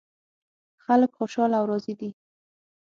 خلک خوشحال او راضي دي